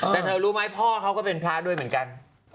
แต่เธอรู้ไหมพ่อเขาก็เป็นพระด้วยเหมือนกัน